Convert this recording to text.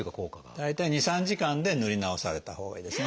大体２３時間で塗り直されたほうがいいですね。